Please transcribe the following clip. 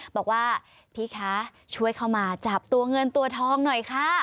บอกว่าพี่คะช่วยเข้ามาจับตัวเงินตัวทองหน่อยค่ะ